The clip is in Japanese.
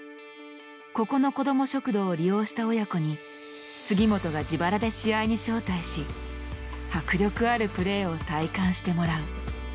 ここの子ども食堂を利用した親子に杉本が自腹で試合に招待し迫力あるプレーを体感してもらう。